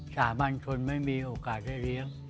สาบันคนไม่มีโอกาสได้เลี้ยง